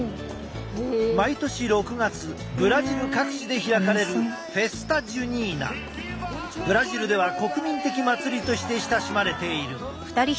毎年６月ブラジル各地で開かれるブラジルでは国民的祭りとして親しまれている。